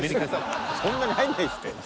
そんなに入んないですって。